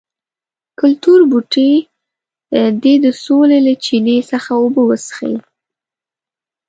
کلتور بوټي دې د سولې له چینې څخه اوبه وڅښي.